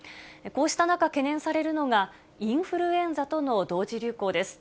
こうした中、懸念されるのが、インフルエンザとの同時流行です。